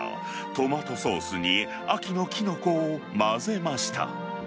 トマトソースに秋のきのこを混ぜました。